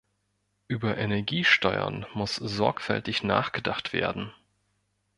Über Energiesteuern muss sorgfältig nachgedacht werden.